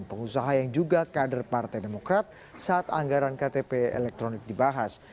pengusaha yang juga kader partai demokrat saat anggaran ktp elektronik dibahas